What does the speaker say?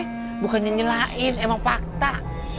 bukannya nyelain emang fakta